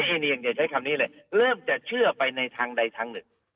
อันนี้ยังใช้คำนี้เลยเริ่มจะเชื่อไปในทางใดทางหนึ่ง